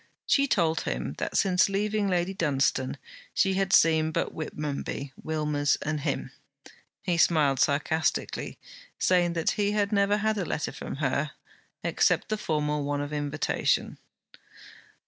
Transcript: She told him that since leaving Lady Dunstane she had seen but Whitmonby, Wilmers, and him. He smiled sarcastically, saying he had never had a letter from her, except the formal one of invitation.